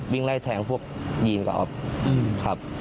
วิ่งไล่แทงพวกยีนกับอ๊อฟครับ